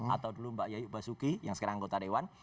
atau dulu mbak yayu basuki yang sekarang anggota dewan